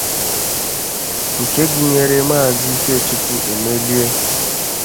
nke gụnyere maazị Ikechukwu Emelie